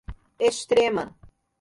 Extrema